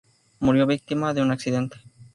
Murió víctima de un accidente.